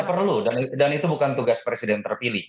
tidak perlu dan itu bukan tugas presiden terpilih